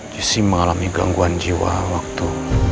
jessi mengalami gangguan jiwa waktu